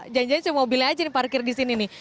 janjian janjian cuma mobilnya aja yang parkir di sini nih